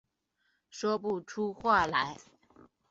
说不出话来